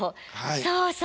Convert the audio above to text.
そうそう。